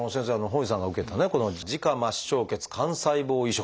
傍士さんが受けた自家末梢血幹細胞移植